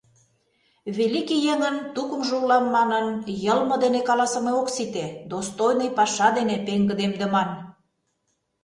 Великий еҥын тукымжо улам манын, йылме дене каласыме ок сите, достойный паша дене пеҥгыдемдыман!